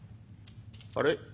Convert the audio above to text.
あれ？